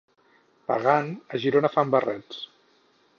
Pagant, a Girona fan barrets.